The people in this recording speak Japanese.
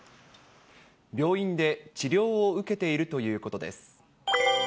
病院で治療を受けているということです。